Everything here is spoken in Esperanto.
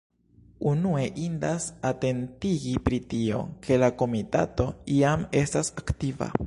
Unue indas atentigi pri tio, ke la Komitato jam estas aktiva.